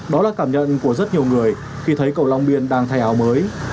đó là cảm nhận của rất nhiều người khi thấy cầu long biên đang thay áo mới